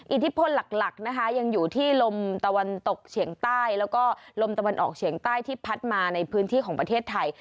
อิทธิพลหลักนะคะยังอยู่ที่ลมตะวันตกเฉียงใต้แล้วก็ลมตะวันออกเฉียงใต้ที่พัดมาในพื้นที่ของประเทศไทย